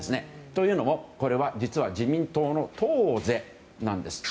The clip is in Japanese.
というのも、これは実は自民党の党是なんです。